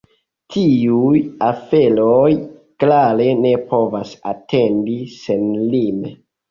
Tiuj aferoj klare ne povas atendi senlime.